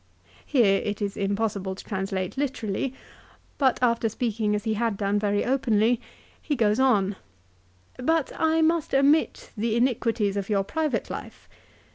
" Here it is impos sible to translate literally, but, after speaking as he had done very openly, he goes on. " But I must omit the iniquities of your private life.